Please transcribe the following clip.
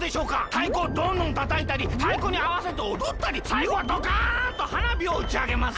たいこをどんどんたたいたりたいこにあわせておどったりさいごはどかんとはなびをうちあげます。